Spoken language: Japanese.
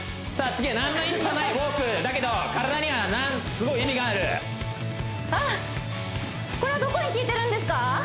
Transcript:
次は何の意味もないウォークだけど体にはすごい意味があるこれはどこに効いてるんですか？